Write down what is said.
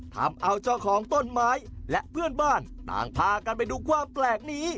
ทำเอาเจ้าของต้นไม้และเพื่อนบ้านต่างพากันไปดูความแปลกนี้